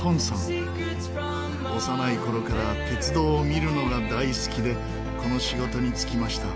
幼い頃から鉄道を見るのが大好きでこの仕事に就きました。